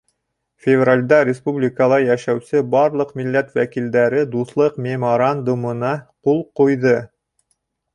Февралдә республикала йәшәүсе барлыҡ милләт вәкилдәре Дуҫлыҡ меморандумына ҡул ҡуйҙы.